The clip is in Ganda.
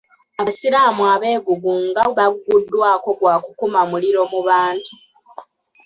Abasiraamu abegugunga baguddwako gwakukuma muliro mu bantu.